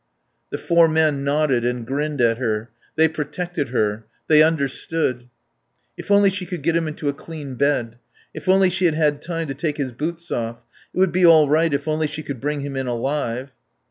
The four men nodded and grinned at her. They protected her. They understood. If only she could get him into a clean bed. If only she had had time to take his boots off. It would be all right if only she could bring him in alive.